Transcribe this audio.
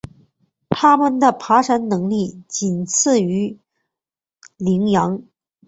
它们的爬山能力仅次于羱羊。